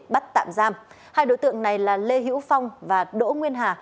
bắt tạm giam hai đối tượng này là lê hữu phong và đỗ nguyên hà